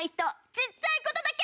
ちっちゃい事だけ！